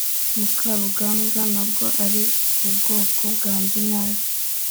mukarugambwa ntabwo ari ubwoko bwanjye nabi